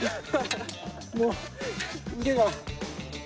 もう腕が。